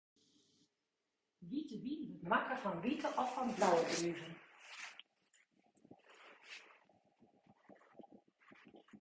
Wite wyn wurdt makke fan wite of fan blauwe druven.